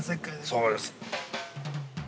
◆そうです。